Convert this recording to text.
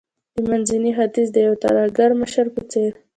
د منځني ختیځ د یو ترهګر مشر په څیر